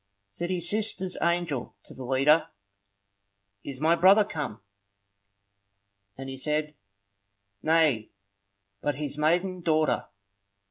Said his sister's angel to the leader, "Is my brother come?" And he said, "Nay, but his maiden daughter."